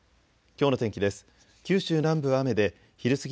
きょうの天気です。